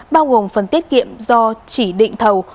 bao gồm phần tiết kiệm do chỉ định thầu